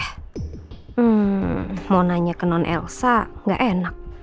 hmm mau nanya ke non elsa gak enak